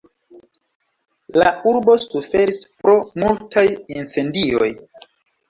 La urbo suferis pro multaj incendioj.